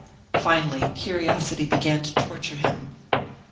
Finally, curiosity began to torture him.